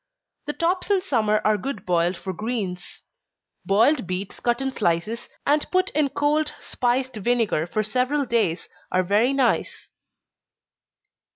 The tops in summer are good boiled for greens. Boiled beets cut in slices, and put in cold spiced vinegar for several days, are very nice.